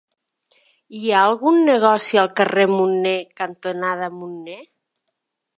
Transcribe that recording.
Hi ha algun negoci al carrer Munné cantonada Munné?